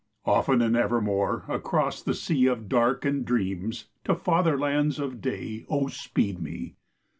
Often and evermore, across the sea Of dark and dreams, to fatherlands of day O speed me!